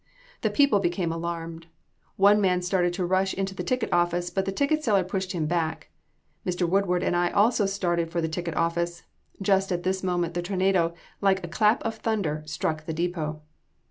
The people became alarmed. One man started to rush into the ticket office, but the ticket seller pushed him back. Mr. Woodard and I also started for the ticket office. Just at this moment the tornado, like a clap of thunder, struck the depot.